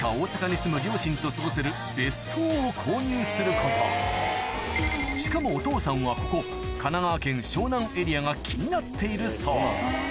そうしかもお父さんはここ神奈川県湘南エリアが気になっているそう